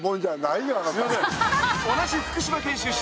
［同じ福島県出身］